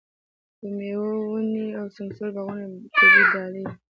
د مېوو ونې او سمسور باغونه طبیعي ډالۍ ده.